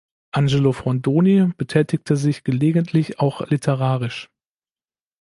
Angelo Frondoni betätigte sich gelegentlich auch literarisch.